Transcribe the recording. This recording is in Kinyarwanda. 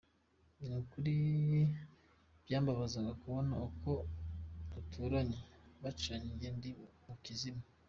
Ni ukuri byambabazaga kubona abo duturanye bacanye njye ndi mu kizima.